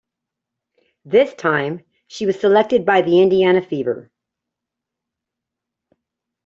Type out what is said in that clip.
This time, she was selected by the Indiana Fever.